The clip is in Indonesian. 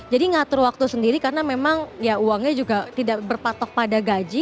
jadi ngatur waktu sendiri karena memang ya uangnya juga tidak berpatok pada gaji